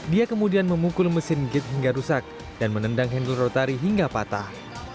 dia kemudian memukul mesin git hingga rusak dan menendang handle rotari hingga patah